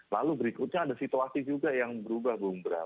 lalu berikutnya ada situasi juga yang berubah